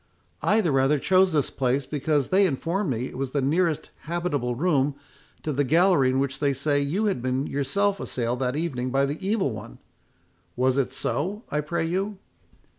I the rather chose this place, because they informed me it was the nearest habitable room to the gallery in which they say you had been yourself assailed that evening by the Evil One.—Was it so, I pray you?"